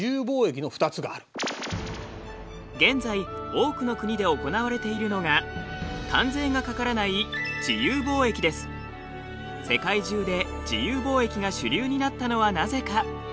現在多くの国で行われているのが関税がかからない世界中で自由貿易が主流になったのはなぜか。